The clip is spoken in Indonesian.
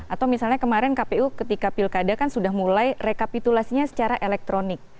atau misalnya kemarin kpu ketika pilkada kan sudah mulai rekapitulasinya secara elektronik